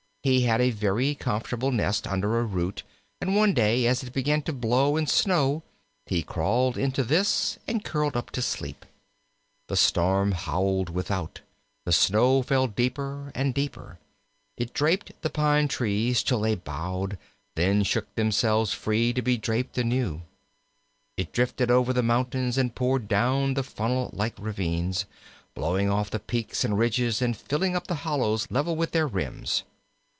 He had a very comfortable nest under a root, and one day, as it began to blow and snow, he crawled into this and curled up to sleep. The storm howled without. The snow fell deeper and deeper. It draped the pine trees till they bowed, then shook themselves clear to be draped anew. It drifted over the mountains and poured down the funnel like ravines, blowing off the peaks and ridges, and filling up the hollows level with their rims.